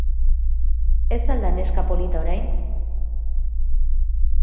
Ez al da neska polita orain?